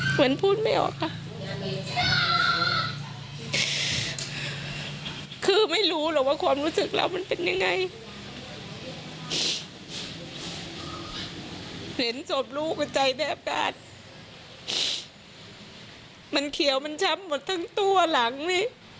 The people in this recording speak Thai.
เหมือนพูดไม่ออกค่ะคือไม่รู้หรอกว่าความรู้สึกเรามันเป็นยังไงเห็นศพลูกหัวใจแทบมันเขียวมันช้ำหมดทั้งตัวหลังนี่